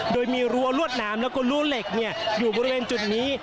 โดยมีรัวรวดน้ำและก็รูเหล็กอยู่บริเวณจุดนี้